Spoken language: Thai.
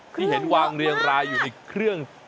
ที่เห็นวางเรียงรายอยู่ในเครื่อง